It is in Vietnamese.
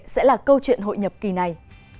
sẽ là câu chuyện hội nhập kỳ này